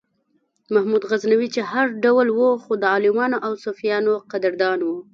محمود غزنوي چې هر ډول و خو د عالمانو او صوفیانو قدردان و.